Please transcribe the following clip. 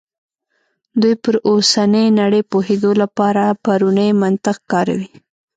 دوی پر اوسنۍ نړۍ پوهېدو لپاره پرونی منطق کاروي.